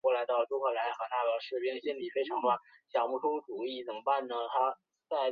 山凤果为金丝桃科福木属下的一个种。